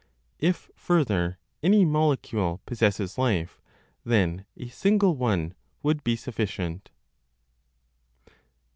If further any molecule possesses life, then a single one would be sufficient.